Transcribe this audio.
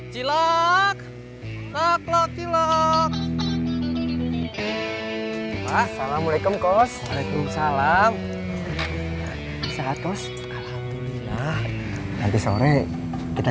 cilak cilak cilak